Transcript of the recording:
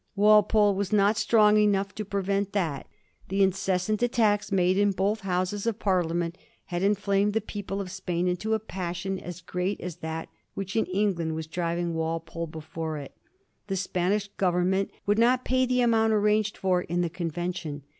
Walpole was not strong enough to prevent that. The incessant attacks made in both Houses of Parliament had inflamed the people of Spain into a passion as great as that which in England was driving Walpole before it. The Spanish Government would not pay the amount arranged for in the convention.